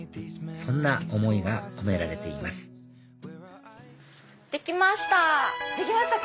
そんな思いが込められていますできました。